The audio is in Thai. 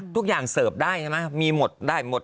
ทุกอย่างเสิร์ฟได้มีหมดได้หมด